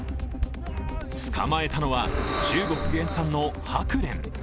捕まえたのは、中国原産のハクレン。